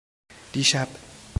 دیشب